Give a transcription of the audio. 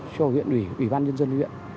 cho huyện ủy ủy ban nhân dân huyện